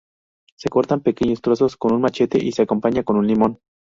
Se cortan pequeños trozos con un machete y se acompaña con un limón.